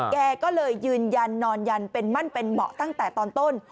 แกก็เลยยืนยันนอนยันเป็นมั่นเป็นเหมาะตั้งแต่ตอนต้น